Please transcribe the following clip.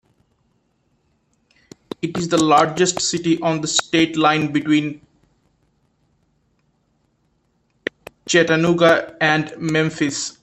It is the largest city on the state line between Chattanooga and Memphis.